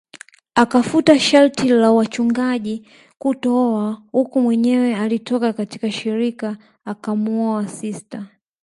Akafuta sharti la wachungaji kutooa uku Mwenyewe alitoka katika shirika akamuoa sista